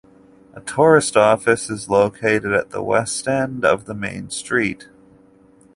A tourist office is located at the west end of the main street.